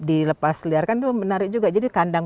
dilepas liarkan itu menarik juga jadi kandang